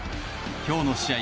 今日の試合